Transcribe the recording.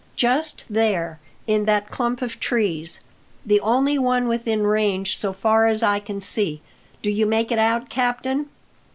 "Just there, in that clump of trees; the only one within range, so far as I can see. Do you make it out, captain?"